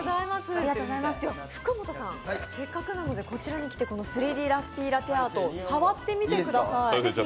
福本さん、せっかくなのでこちらに来て３Ｄラテアート触ってみてください。